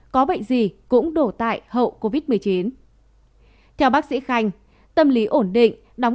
có bệnh gì cũng đổ tại hậu covid một mươi chín theo bác sĩ khanh tâm lý ổn định đóng